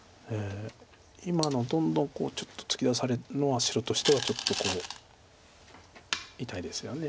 今のどんどん突き出されるのは白としてはちょっと痛いですよね。